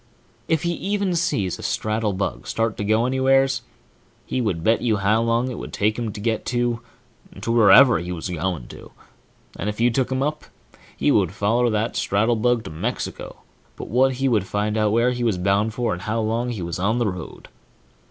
If he even seen a straddlebug start to go anywheres, he would bet you how long it would take him to get wherever he was going to, and if you took him up, he would foller that straddlebug to Mexico but what he would find out where he was bound for and how long he was on the road.